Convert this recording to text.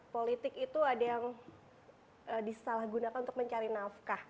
politik itu ada yang disalahgunakan untuk mencari nafkah